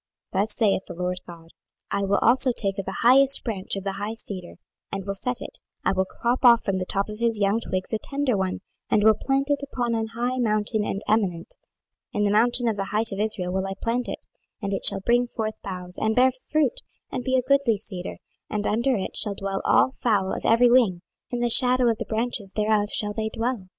26:017:022 Thus saith the Lord GOD; I will also take of the highest branch of the high cedar, and will set it; I will crop off from the top of his young twigs a tender one, and will plant it upon an high mountain and eminent: 26:017:023 In the mountain of the height of Israel will I plant it: and it shall bring forth boughs, and bear fruit, and be a goodly cedar: and under it shall dwell all fowl of every wing; in the shadow of the branches thereof shall they dwell.